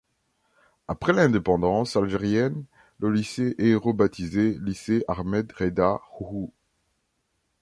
Après l'indépendance algérienne, le lycée est rebaptisé Lycée Ahmed Reda Houhou.